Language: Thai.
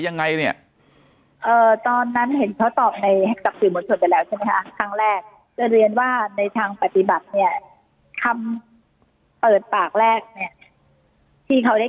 ยังไงเนี่ยตอนนั้นเห็นเขาตอบในจับถือหมดส่วนไปแล้วใช่